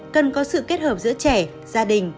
cần có sự kết hợp giữa trẻ gia đình